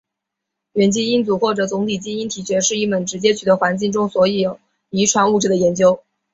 元基因组或总体基因体学是一门直接取得环境中所有遗传物质的研究。